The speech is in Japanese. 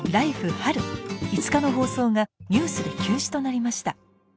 春」５日の放送がニュースで休止となりました。